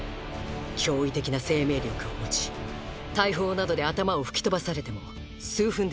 驚異的な生命力を持ち大砲などで頭を吹き飛ばされても数分で再生します。